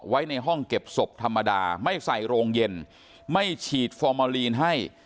ไว้ในห้องเก็บศพธรรมดาไม่ใส่โรงเย็นไม่ฉีดฟอร์มาลีนให้